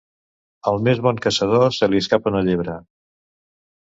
Al més bon caçador se li escapa una llebre.